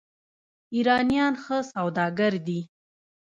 ایرانیان ښه سوداګر دي.